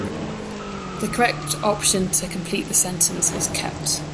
The correct option to complete the sentence is "kept".